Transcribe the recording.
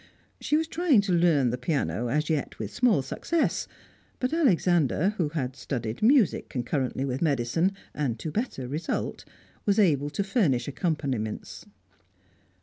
She was trying to learn the piano, as yet with small success; but Alexander who had studied music concurrently with medicine, and to better result, was able to furnish accompaniments.